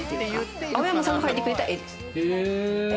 青山さんが描いてくれた絵です。